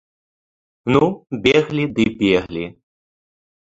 Ну, беглі ды беглі.